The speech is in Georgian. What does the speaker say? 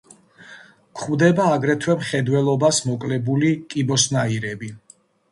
გვხვდება აგრეთვე მხედველობას მოკლებული კიბოსნაირები.